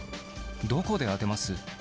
どこで当てます？